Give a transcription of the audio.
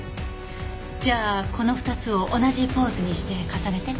じゃあこの２つを同じポーズにして重ねて。